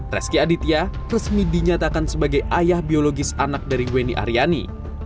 reski aditya resmi dinyatakan sebagai ayah biologis anak dari weni aryani